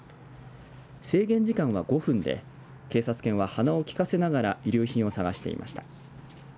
制限時間は５分で警察権は鼻をきかせながら遺留品を探していました。